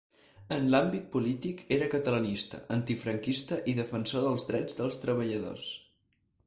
En l'àmbit polític era catalanista, antifranquista i defensor dels drets dels treballadors.